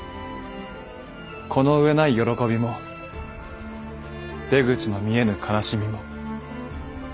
この上ない喜びも出口の見えぬ悲しみも。